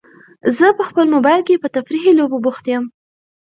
زه په خپل موبایل کې په تفریحي لوبو بوخت یم.